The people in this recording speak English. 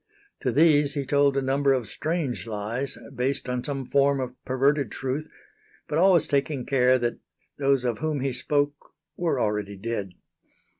To these he told a number of strange lies based on some form of perverted truth, but always taking care that those of whom he spoke were already dead.